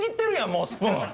もうスプーン。